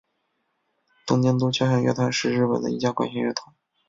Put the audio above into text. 东京都交响乐团是日本的一家管弦乐团。